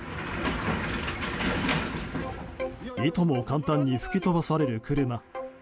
簡単に吹き飛ばされる車。